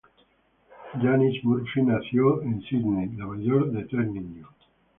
Janice Murphy nació en Sídney, la mayor de tres niños.